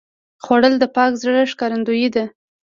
خوړل د پاک زړه ښکارندویي ده